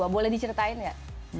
boleh diceritain gak